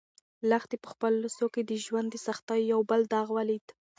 لښتې په خپلو لاسو کې د ژوند د سختیو یو بل داغ ولید.